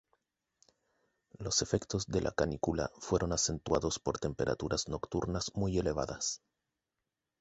Los efectos de la canícula fueron acentuados por temperaturas nocturnas muy elevadas.